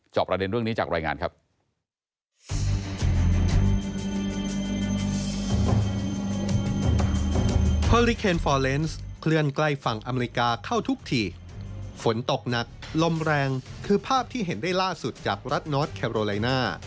ประเด็นเรื่องนี้จากรายงานครับ